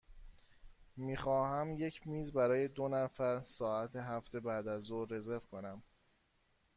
می خواهم یک میز برای دو نفر ساعت هفت بعدازظهر رزرو کنم.